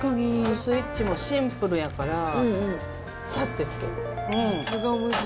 スイッチもシンプルやから、さって拭ける。